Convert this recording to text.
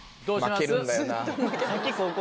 負けるんだよな。